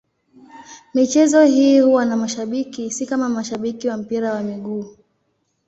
Michezo hii huwa na mashabiki, si kama mashabiki wa mpira wa miguu.